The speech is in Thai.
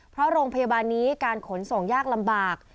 เพราะโรงพยาบาลนี้การขนส่งยากลำบาก